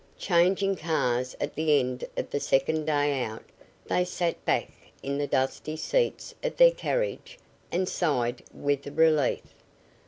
Changing cars at the end of the second day out, they sat back in the dusty seats of their carriage and sighed with relief.